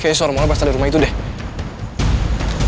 kayaknya suara mona pas ada di rumah itu deh